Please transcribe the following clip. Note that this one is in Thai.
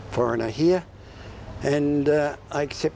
เกี่ยวง่ายง่าย